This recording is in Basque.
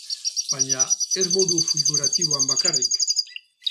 Baina ez modu figuratiboan, bakarrik!